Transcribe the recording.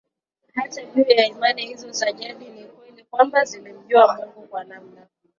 Hata juu ya imani hizo za jadi ni kweli kwamba zilimjua Mungu kwa namna